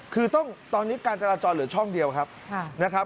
คือต้องตอนนี้การจราจรเหลือช่องเดียวครับนะครับ